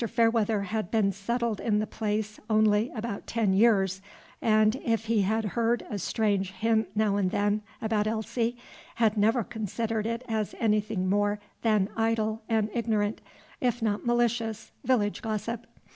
Fairweather had been settled in the place only about ten years, and, if he had heard a strange hint now and then about Elsie, had never considered it as anything more than idle and ignorant, if not malicious, village gossip.